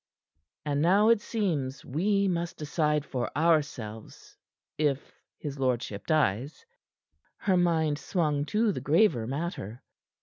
"And now it seems we must decide for ourselves if his lordship dies." Her mind swung to the graver matter.